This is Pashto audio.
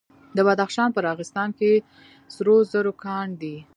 د بدخشان په راغستان کې سرو زرو کان دی.